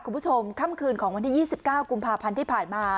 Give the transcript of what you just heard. คุณผู้ชมค่ำคืนของวันที่๒๙กุมภาพันธ์ที่ผ่านมา